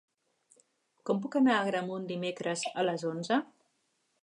Com puc anar a Agramunt dimecres a les onze?